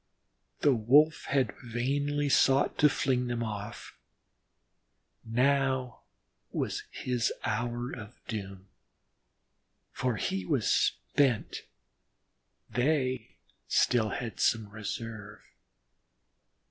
The Wolf had vainly sought to fling them off. Now was his hour of doom, for he was spent; they still had some reserve.